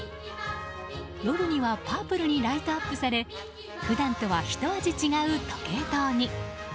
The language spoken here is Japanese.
夜にはパープルにライトアップされ普段とは、ひと味違う時計塔に。